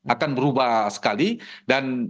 akan berubah sekali dan